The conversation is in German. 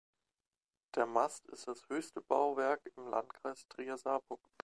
Der Mast ist das höchste Bauwerk im Landkreis Trier-Saarburg.